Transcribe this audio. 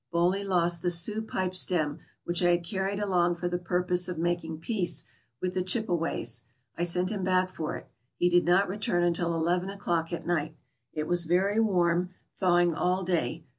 Boley lost the Sioux pipe stem which I had carried along for the pur pose of making peace with the Chipeways ; I sent him back for it; he did not return until eleven o'clock at night. It was very warm; thawing all day.